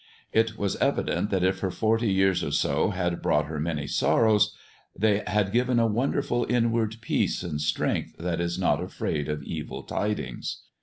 It was evident that if her forty years or so had brought her many sorrows they had given a wonderful inward peace and strength that is not afraid of evil tidings.